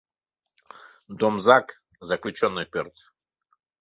Домзак — заключённый пӧрт.